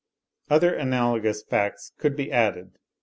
Other analogous facts could be added.